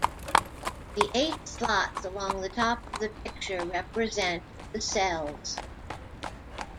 The eight slots along the top of the picture represent the cells.